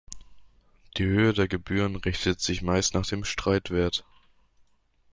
Die Höhe der Gebühren richtet sich meist nach dem Streitwert.